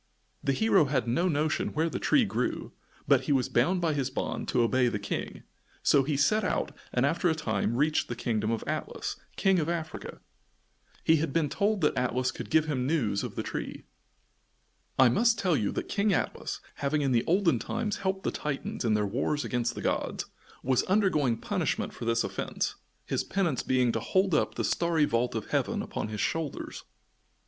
The hero had no notion where the tree grew, but he was bound by his bond to obey the King, so he set out and after a time reached the kingdom of Atlas, King of Africa. He had been told that Atlas could give him news of the tree. I must tell you that King Atlas, having in the olden time helped the Titans in their wars against the gods, was undergoing punishment for this offence, his penance being to hold up the starry vault of heaven upon his shoulders.